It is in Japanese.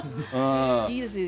いいですよ。